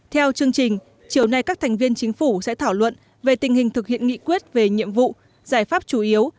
theo chương trình chiều nay các thành viên chính phủ sẽ thảo luận về tình hình thực hiện nghị quyết về nhiệm vụ giải pháp chủ yếu